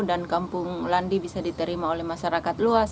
dan kampung landi bisa diterima oleh masyarakat luas